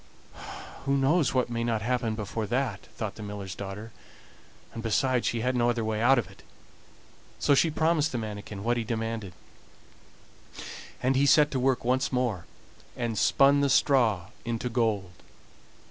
"Who knows what may not happen before that?" thought the miller's daughter; and besides, she saw no other way out of it, so she promised the manikin what he demanded, and he set to work once more and spun the straw into gold.